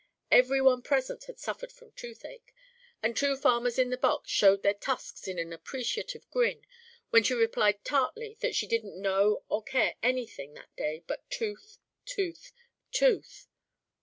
Every one present had suffered from toothache, and two farmers in the box showed their tusks in an appreciative grin when she replied tartly that she didn't know or care anything that day but tooth, tooth, tooth.